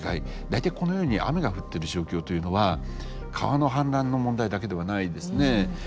大体このように雨が降ってる状況というのは川の氾濫の問題だけではないんですね。